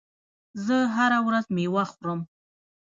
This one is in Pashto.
زه هره ورځ میوه خورم.